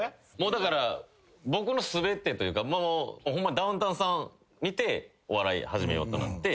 だから僕の全てというかホンマにダウンタウンさん見てお笑い始めようと思って。